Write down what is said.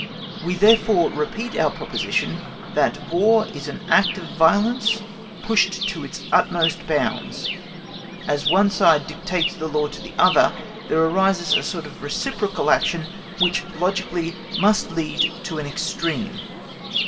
We therefore repeat our proposition, that War is an act of violence pushed to its utmost bounds; as one side dictates the law to the other, there arises a sort of reciprocal action, which logically must lead to an extreme.